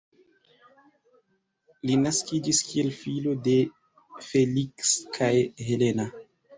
Li naskiĝis kiel filo de Feliks kaj Helena.